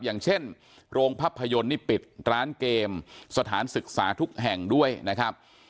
อย่างเช่นโรงภาพยนตร์นี่ปิดร้านเกมสถานศึกษาทุกแห่งด้วยนะครับ